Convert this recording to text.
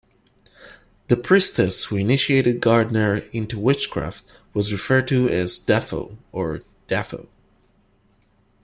The priestess who initiated Gardner into witchcraft was referred to as "Dafo" or "Daffo".